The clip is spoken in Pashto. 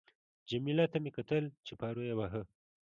جميله ته مې کتل چې پارو یې واهه.